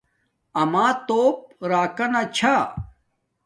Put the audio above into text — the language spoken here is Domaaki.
اما توپ راکنہ چھا